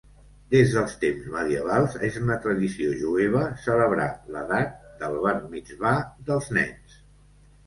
Des dels temps medievals, és una tradició jueva celebrar l'edat del Bar Mitsvà dels nens.